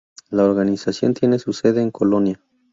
La organización tiene su sede en Colonia.